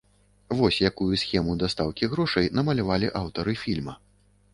Вось якую схему дастаўкі грошай намалявалі аўтары фільма.